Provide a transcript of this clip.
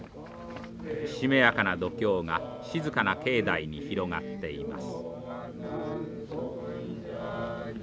しめやかな読経が静かな境内に広がっています。